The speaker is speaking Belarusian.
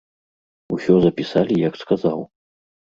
Усё запісалі, як сказаў.